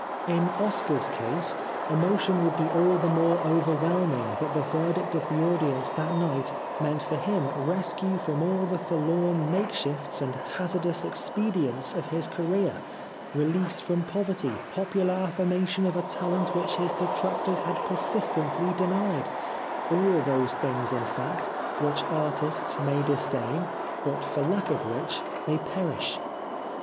In Oscar's case emotion would be all the more overwhelming that the verdict of the audience that night meant for him rescue from all the forlorn makeshifts and hazardous expedients of his career, release from poverty, popular affirmation of a talent which his detractors had persistently denied, all those things in fact, which artists may dis dain but for lack of which they perish.